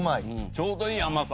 ちょうどいい甘さ。